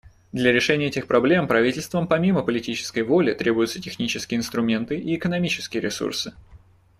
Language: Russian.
Для решения этих проблем правительствам помимо политической воли требуются технические инструменты и экономические ресурсы.